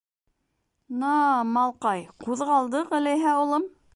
— На-а-а, малҡай, ҡуҙғалдыҡ, әләйһә, улым!